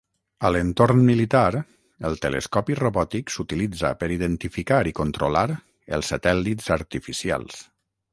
A l'entorn militar, el telescopi robòtic s'utilitza per identificar i controlar els satèl·lits artificials.